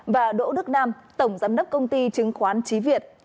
và đỗ đức nam tổng giám đốc công ty chứng khoán trí việt